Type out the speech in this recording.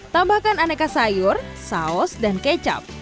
tambahkan aneka sayur saus dan kecap